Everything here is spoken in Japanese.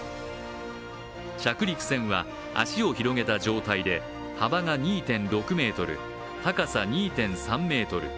着陸船は脚を広げた状態で幅が２．６ｍ、高さ２．３ｍ。